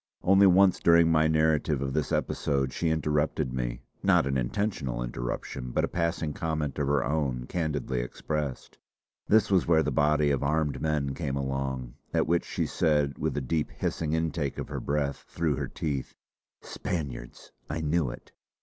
Only once during my narrative of this episode she interrupted me; not an intentional interruption but a passing comment of her own, candidly expressed. This was where the body of armed men came along; at which she said with a deep hissing intake of her breath through her teeth: "Spaniards! I knew it!